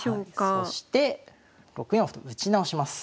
そして６四歩と打ち直します。